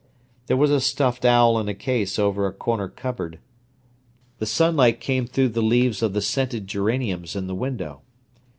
There was a stuffed owl in a case over a corner cupboard. The sunlight came through the leaves of the scented geraniums in the window.